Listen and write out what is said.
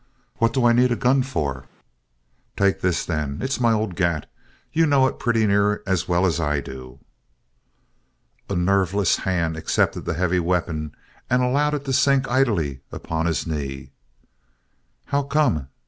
What do I need a gun for?" "Take this, then. It's my old gat. You know it pretty near as well as I do." A nerveless hand accepted the heavy weapon and allowed it to sink idly upon his knee. "How come?"